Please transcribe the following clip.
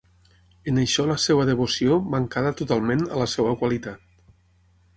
En això la seua devoció mancada totalment a la seua qualitat.